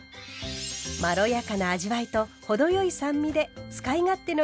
まろやかな味わいと程よい酸味で使い勝手のよいたれです。